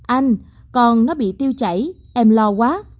anh con nó bị tiêu chảy em lo quá